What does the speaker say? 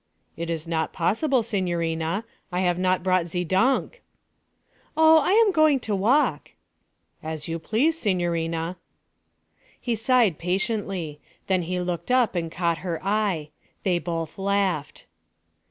'It is not possible, signorina. I have not brought ze donk'.' 'Oh, I'm going to walk.' 'As you please, signorina.' He sighed patiently. Then he looked up and caught her eye. They both laughed.